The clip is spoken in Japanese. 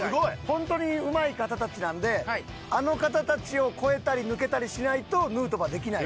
本当にうまい方たちなんであの方たちを越えたり抜けたりしないとヌートバーできない。